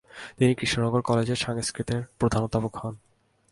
তিনি কৃষ্ণনগর কলেজে সংস্কৃতের প্রধান অধ্যাপক হন।